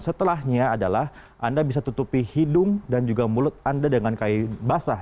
setelahnya adalah anda bisa tutupi hidung dan juga mulut anda dengan kayu basah